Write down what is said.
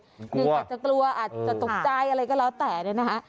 หนึ่งอาจจะกลัวอาจจะตกใจอะไรก็แล้วแต่เนี่ยนะคะ